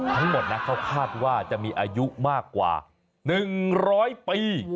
ทั้งหมดนะเขาคาดว่าจะมีอายุมากกว่า๑๐๐ปี